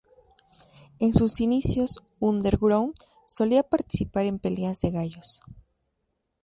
En sus inicios underground, solía participar en peleas de gallos.